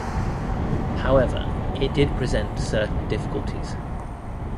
However it did present certain difficulties.